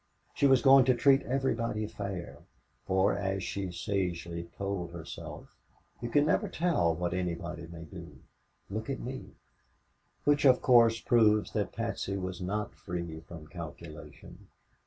She was going to treat everybody fair, for, as she sagely told herself, "You can never tell what anybody may do look at me!" Which of course proves that Patsy was not free from calculation.